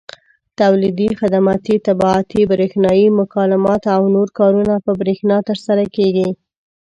تولیدي، خدماتي، طباعتي، برېښنایي مکالمات او نور کارونه په برېښنا ترسره کېږي.